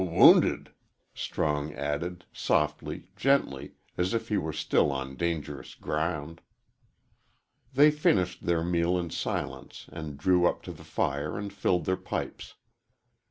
"W wownded," Strong, added, softly, gently, as if he were still on dangerous ground. They finished their meal in silence and drew up to the fire and filled their pipes.